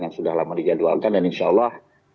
yang sudah lama dijadwalkan dan insya allah